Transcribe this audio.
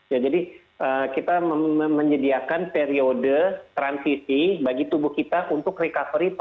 ya jadi kita menyediakan periode transisi bagi tubuh kita untuk recovery